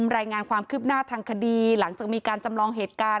รายงานความคืบหน้าทางคดีหลังจากมีการจำลองเหตุการณ์